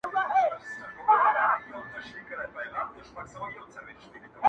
• پر سر د دار خو د منصور د حق نعره یمه زه,